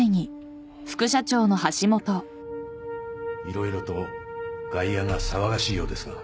色々と外野が騒がしいようですが。